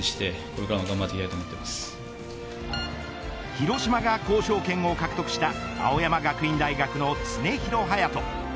広島が交渉権を獲得した青山学院大学の常廣羽也斗。